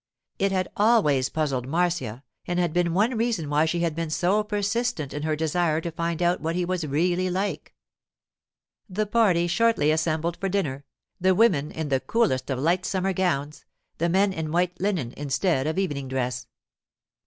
It had always puzzled Marcia, and had been one reason why she had been so persistent in her desire to find out what he was really like. The party shortly assembled for dinner, the women in the coolest of light summer gowns, the men in white linen instead of evening dress.